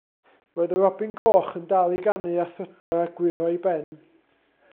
Roedd y robin goch yn dal i ganu a thrydar a gwyro'i ben.